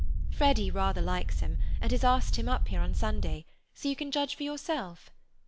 Freddy rather likes him, and has asked him up here on Sunday, so you can judge for yourself.